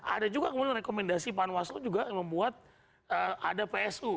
ada juga kemudian rekomendasi pak anwaslu juga yang membuat ada psu